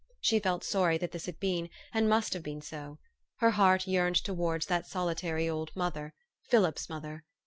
She felt sorry THE STORY OF AVIS. 217 that this had been, and must have been so. Her heart yearned towards that solitary old mother Philip's mother.